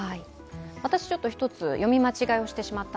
私、１つ読み間違えをしてしまいました。